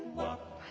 はい。